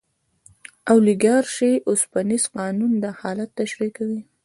د اولیګارشۍ اوسپنیز قانون دا حالت تشریح کوي.